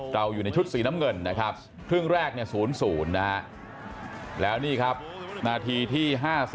เราอยู่ในชุดสีน้ำเงินครึ่งแรก๐๐แล้วนี่ครับนาทีที่๕๙